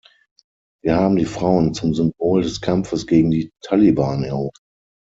Wir haben die Frauen zum Symbol des Kampfes gegen die Taliban erhoben.